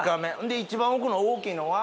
一番奥の大きいのは？